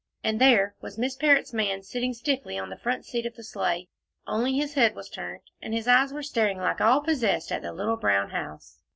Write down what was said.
And there was Miss Parrott's man sitting stiffly on the front seat of the sleigh, only his head was turned, and his eyes were staring like all possessed at the little brown house.